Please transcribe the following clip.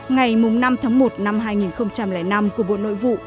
ngày năm tháng một năm hai nghìn năm của bộ nội vụ